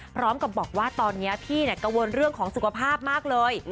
พร้อมกับบอกว่าตอนนี้พี่กังวลเรื่องของสุขภาพมากเลย